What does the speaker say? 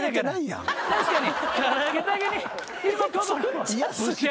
確かに。